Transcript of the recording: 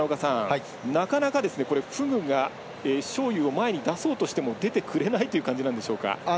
なかなか、フグが章勇を前に出そうとしても出てくれないという感じなんでしょうか。